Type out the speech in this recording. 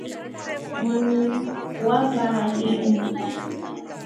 Muu wa vaa linu.